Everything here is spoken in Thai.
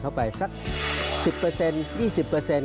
เข้าไปสัก๑๐เปอร์เซ็นต์๒๐เปอร์เซ็นต์